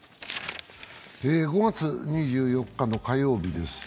５月２４日の火曜日です。